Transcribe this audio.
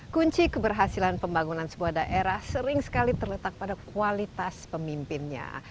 kunci keberhasilan pembangunan sebuah daerah sering sekali terletak pada kualitas pemimpinnya